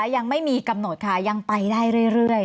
ยังไม่มีกำหนดค่ะยังไปได้เรื่อย